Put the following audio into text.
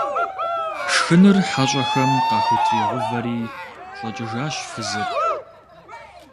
Шхыныр хьэщӀэхэм къахутригъэувэри щӏэкӏыжащ фызыр.